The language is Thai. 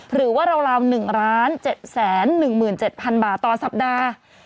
หรือว่าราว๑๗๑๗๐๐๐บาทต่อสัปดาห์